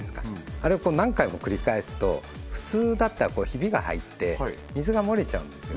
あれを何回も繰り返すと普通だったらひびが入って水が漏れちゃうんですよ